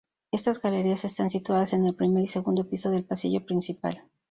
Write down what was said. Estas galerías están situadas en el primer y segundo piso del Pasillo Principal.